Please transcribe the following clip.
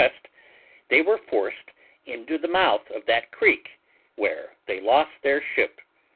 W., they were forced into the mouth of that creek, where they lost their ship.